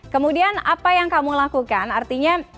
kemudian apa yang kamu lakukan artinya